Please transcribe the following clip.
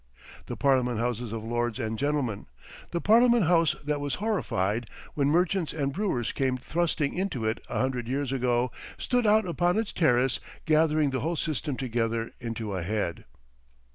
The Parliament Houses of lords and gentlemen, the parliament house that was horrified when merchants and brewers came thrusting into it a hundred years ago, stood out upon its terrace gathering the whole system together into a head.